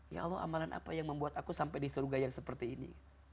ya allah amalan apa yang membuat aku sampai di surga yang seperti ini